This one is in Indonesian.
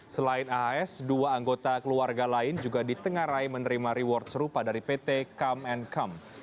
selain ahs dua anggota keluarga lain juga ditengarai menerima reward serupa dari pt come and come